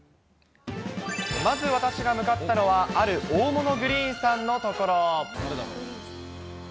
まず、私が向かったのは、ある大物グリーンさんの所。